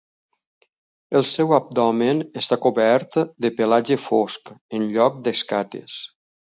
El seu abdomen està cobert de pelatge fosc en lloc d'escates.